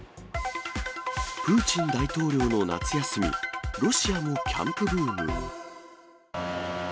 プーチン大統領の夏休み、ロシアもキャンプブーム？